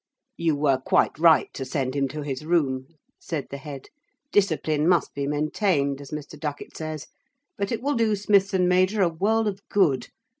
'You were quite right to send him to his room,' said the Head, 'discipline must be maintained, as Mr. Ducket says. But it will do Smithson major a world of good.